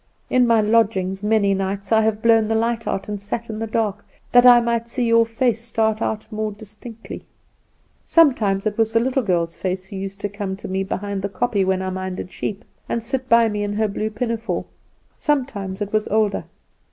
In my lodgings, many nights I have blown the light out, and sat in the dark, that I might see your face start out more distinctly. Sometimes it was the little girl's face who used to come to me behind the kopje when I minded sheep, and sit by me in her blue pinafore; sometimes it was older.